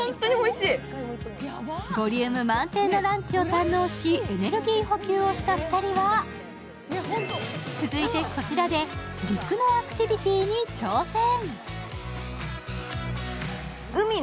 ボリューム満点のランチを堪能しエネルギー補給をした２人は続いて、こちらで陸のアクティビティーに挑戦。